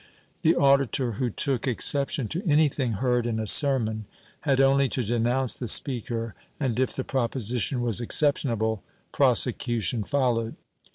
The auditor who took exception to anything heard in a sermon had only to denounce the speaker and, if the proposition was exceptionable, prosecution followed.